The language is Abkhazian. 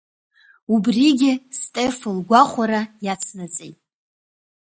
Убригьы Стефа лгәахәара иацнаҵеит.